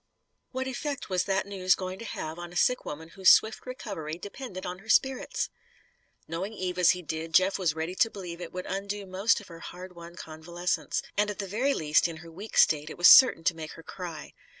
What effect was that news going to have on a sick woman whose swift recovery depended on her spirits? Knowing Eve as he did, Jeff was ready to believe it would undo most of her hard won convalescence. And at the very least, in her weak state, it was certain to make her cry.